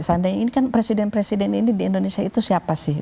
seandainya ini kan presiden presiden ini di indonesia itu siapa sih